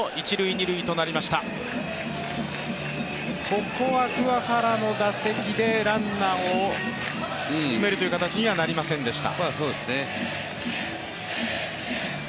ここは桑原の打席でランナーを進めるという形にはなりませんでした。